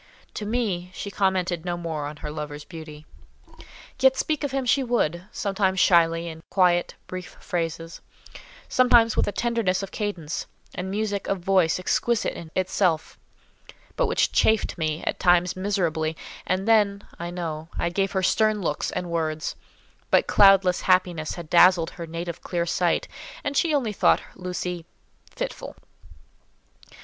To me, she commented no more on her lover's beauty. Yet speak of him she would; sometimes shyly, in quiet, brief phrases; sometimes with a tenderness of cadence, and music of voice exquisite in itself; but which chafed me at times miserably; and then, I know, I gave her stern looks and words; but cloudless happiness had dazzled her native clear sight, and she only thought Lucy—fitful.